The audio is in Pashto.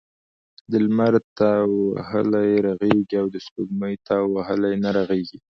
د لمر تاو وهلی رغیږي او دسپوږمۍ تاو وهلی نه رغیږی .